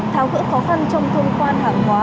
tháo gỡ khó khăn trong thông quan hàng hóa